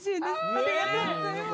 ありがとうございます。